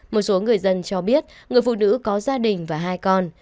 một số người dân cho biết người phụ nữ có gia đình và hai con